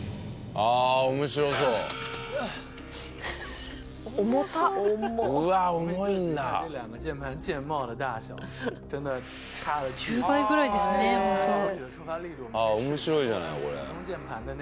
ああ面白いじゃないこれ。